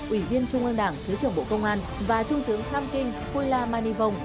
ủy viên trung ương đảng thứ trưởng bộ công an và trung tướng tham kinh phu la mani vong